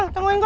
tau uang gua